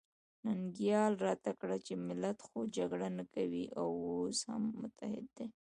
ننګیال راته کړه چې ملت خو جګړه نه کوي او اوس هم متحد دی.